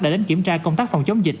đã đến kiểm tra công tác phòng chống dịch